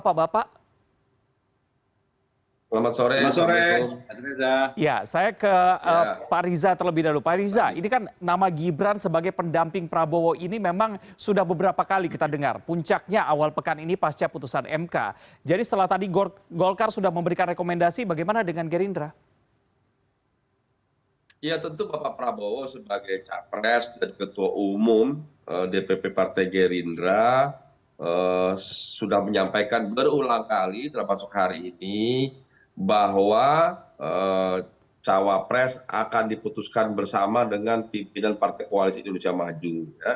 ketua dpp partai gerindra sudah menyampaikan berulang kali terpasuk hari ini bahwa cawapres akan diputuskan bersama dengan pimpinan partai koalisi indonesia maju